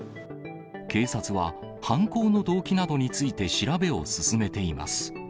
警察は、犯行の動機などについて調べを進めています。